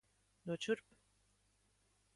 Dod šurp!